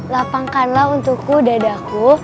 lapangkanlah untukku dadaku